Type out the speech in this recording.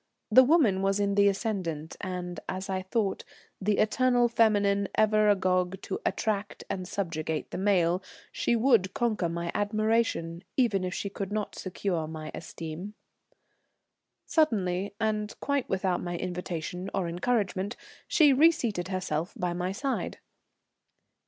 The woman was in the ascendant, and, as I thought, the eternal feminine ever agog to attract and subjugate the male, she would conquer my admiration even if she could not secure my esteem. Suddenly, and quite without my invitation or encouragement, she reseated herself by my side.